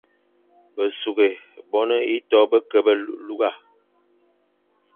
Besughʼé bone ieto be ke lugha.